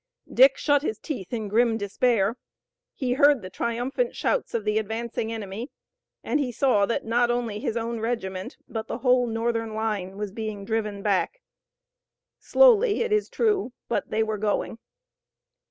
Dick shut his teeth in grim despair. He heard the triumphant shouts of the advancing enemy, and he saw that not only his own regiment, but the whole Northern line, was being driven back, slowly it is true, but they were going.